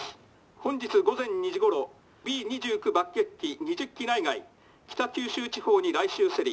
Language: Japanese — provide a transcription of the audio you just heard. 本日午前２時ごろＢ２９爆撃機２０機内外北九州地方に来襲せり」。